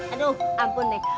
aduh ampun deh